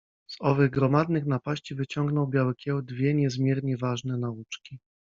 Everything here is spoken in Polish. Z owych gromadnych napaści wyciągnął Biały Kieł dwie niezmiernie ważne nauczki: